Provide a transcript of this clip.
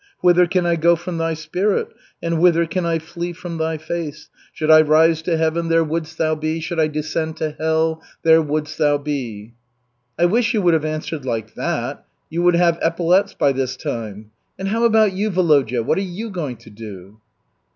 "Whither can I go from Thy spirit and whither can I flee from Thy face? Should I rise to Heaven, there wouldst Thou be, should I descend to Hell, there wouldst Thou be." "I wish you would have answered like that. You would have epaulets by this time. And how about you, Volodya, what are you going to do?"